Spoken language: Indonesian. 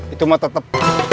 itu mah tetep